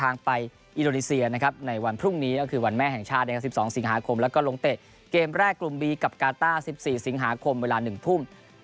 นี้ก็คือวันแม่แห่งชาติ๑๒สิงหาคมแล้วก็ลงเตะเกมแรกกลุ่มบีกับกาต้า๑๔สิงหาคมเวลาหนึ่งทุ่ม